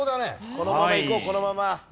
このままいこうこのまま。